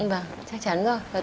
vâng chắc chắn rồi